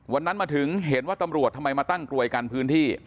มาถึงเห็นว่าตำรวจทำไมมาตั้งกลวยกันพื้นที่